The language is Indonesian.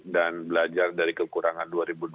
dan belajar dari kekurangan dua ribu dua puluh